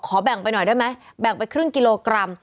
แบ่งไปหน่อยได้ไหมแบ่งไปครึ่งกิโลกรัม